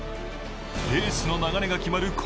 レースの流れが決まる